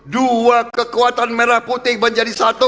dua kekuatan merah putih menjadi satu